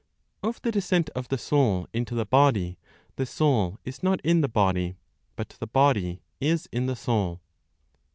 OF THE DESCENT OF THE SOUL INTO THE BODY. THE SOUL IS NOT IN THE BODY; BUT THE BODY IS IN THE SOUL.